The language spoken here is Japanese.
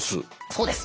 そうです。